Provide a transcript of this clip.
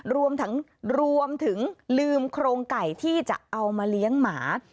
รวมถึงรวมถึงลืมโครงไก่ที่จะเอามาเลี้ยงหมา